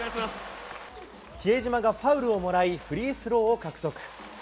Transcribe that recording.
比江島がファウルをもらい、フリースローを獲得。